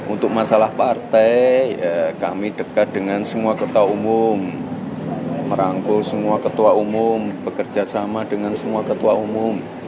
untuk masalah partai kami dekat dengan semua ketua umum merangkul semua ketua umum bekerja sama dengan semua ketua umum